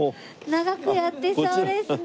長くやってそうですね。